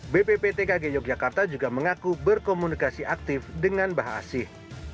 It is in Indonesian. bpptkg yogyakarta juga mengaku berkomunikasi aktif dengan mbah asih